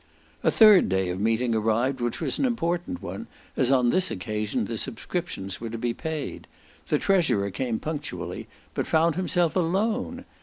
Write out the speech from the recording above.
A third day of meeting arrived, which was an important one, as on this occasion the subscriptions were to be paid. The treasurer came punctually, but found himself alone.